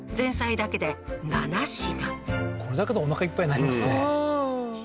これだけでおなかいっぱいになりますね